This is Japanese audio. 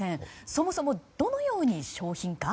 そもそもどのように商品化？